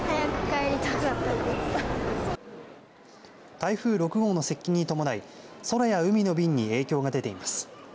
台風６号の接近に伴い空や海の便に影響が出ています。